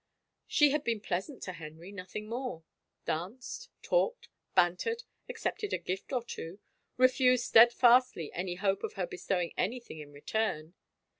She had been pleasant to Henry, nothing more; danced, talked, bantered, accepted a pft or two, refused steadfastly any hope of her bestowing anything in return.